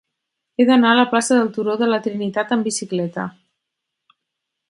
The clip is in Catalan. He d'anar a la plaça del Turó de la Trinitat amb bicicleta.